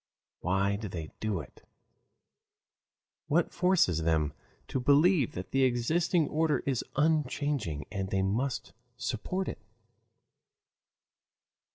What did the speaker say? Why do they do it? What forces them to believe that the existing order is unchanging and they must support it?